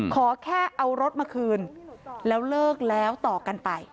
ขอแค่เอารถมาคืนแล้วเลิกแล้วต่อกันไป